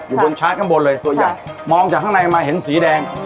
อยู่บนชาร์จข้างบนเลยตัวใหญ่มองจากข้างในมาเห็นสีแดง